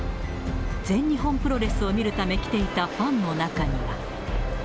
全日本プロレスを見るため来ていたファンの中には。